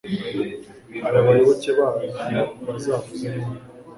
abayoboke bayo bazavuze impundu